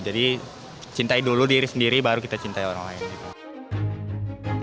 jadi cintai dulu diri sendiri baru kita cintai orang lain gitu